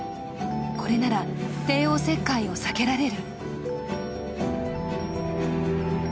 これなら帝王切開を避けられる。